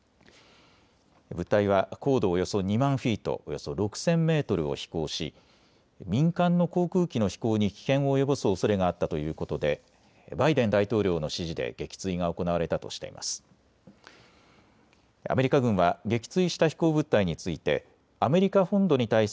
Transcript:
物体は高度およそ２万フィート、およそ６０００メートルを飛行し民間の航空機の飛行に危険を及ぼすおそれがあったということでバイデン大統領の指示で撃墜が行われたとしています。